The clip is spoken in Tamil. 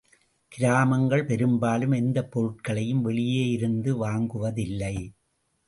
கிராமங்கள் பெரும்பாலும் எந்தப் பொருட்களையும் வெளியே இருந்து வாங்குவதில்லை.